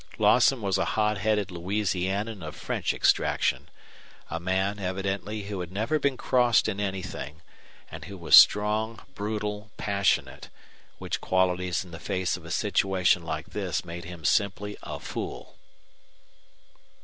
Lawson was a hot headed Louisianian of French extraction; a man, evidently, who had never been crossed in anything, and who was strong, brutal, passionate, which qualities in the face of a situation like this made him simply a fool.